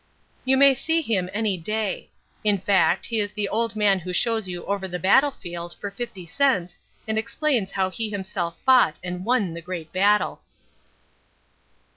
You may see him any day. In fact, he is the old man who shows you over the battlefield for fifty cents and explains how he himself fought and won the great battle.